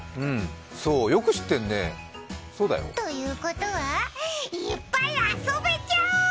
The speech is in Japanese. そうだよ、よく知ってるね。ということは、いっぱい遊べちゃう。